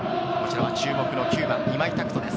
注目の９番・今井拓人です。